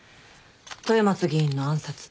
豊松議員の暗殺。